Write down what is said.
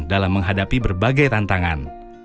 dalam menghadapi berbagai tantangan